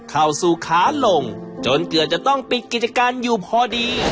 เข้าสู่ขาลงจนเกือบจะต้องปิดกิจการอยู่พอดี